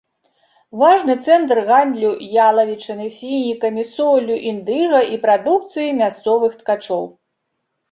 Важны цэнтр гандлю ялавічынай, фінікамі, соллю, індыга і прадукцыяй мясцовых ткачоў.